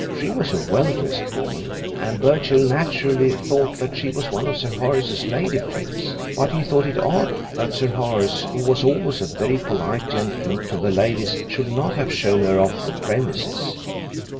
She was a well dressed woman, and Birchill naturally thought that she was one of Sir Horace's lady friends. But he thought it odd that Sir Horace, who was always a very polite gentleman to the ladies, should not have shown her off the premises.